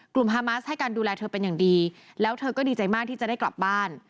ฮามาสให้การดูแลเธอเป็นอย่างดีแล้วเธอก็ดีใจมากที่จะได้กลับบ้าน